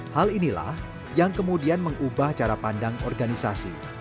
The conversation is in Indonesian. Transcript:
hal inilah yang kemudian mengubah cara pandang organisasi